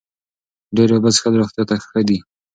ډېرې اوبه څښل روغتیا ته ښه دي.